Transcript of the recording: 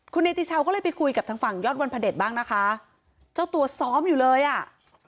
คุณเนติชาวก็เลยไปคุยกับทางฝั่งยอดวันพระเด็จบ้างนะคะเจ้าตัวซ้อมอยู่เลยอ่ะ